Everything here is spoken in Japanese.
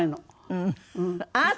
うん。